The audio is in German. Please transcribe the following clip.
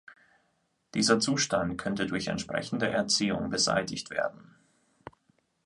Dieser Zustand könnte durch entsprechende Erziehung beseitigt werden.